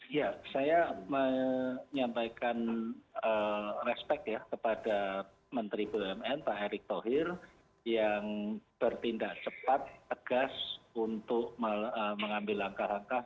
ya saya menyampaikan respect ya kepada menteri bumn pak erick thohir yang bertindak cepat tegas untuk mengambil langkah langkah